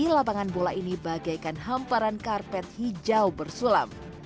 lapangan bola ini bagaikan hamparan karpet hijau bersulam